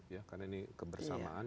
ya karena ini kebersamaan